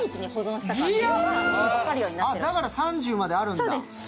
だから３０まであるんだ。